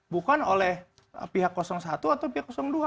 bukan oleh pihak satu atau pihak dua